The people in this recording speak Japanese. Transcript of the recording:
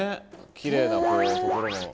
きれいなところも。